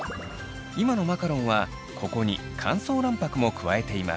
今のマカロンはここに乾燥卵白も加えています。